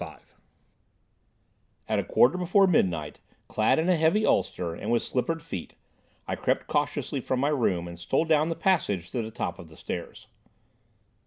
III At a quarter before midnight, clad in a heavy ulster, and with slippered feet, I crept cautiously from my room and stole down the passage to the top of the stairs.